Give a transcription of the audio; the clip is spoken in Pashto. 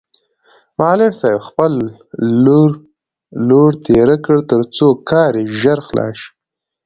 معلم صاحب خپل لور تېره کړ ترڅو کار یې ژر خلاص شي.